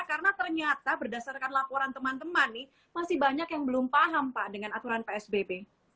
karena ternyata berdasarkan laporan teman teman nih masih banyak yang belum paham pak dengan aturan psbb